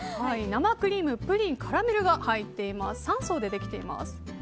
生クリーム、プリンカラメルが入っています。